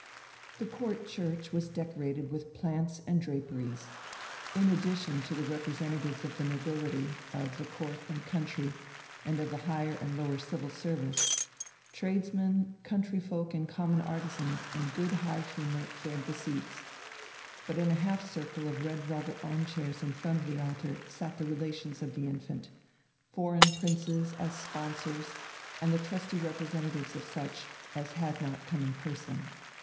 The Court Church was decorated with plants and draperies. In addition to the representatives of the nobility, of the Court and country, and of the higher and lower Civil Service, tradesmen, country folk, and common artisans, in high good humour, filled the seats. But in a half circle of red velvet arm chairs in front of the altar sat the relations of the infant, foreign princes as sponsors and the trusty representatives of such as had not come in person.